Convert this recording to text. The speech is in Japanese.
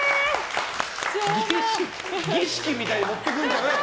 儀式みたいに持ってくるんじゃない。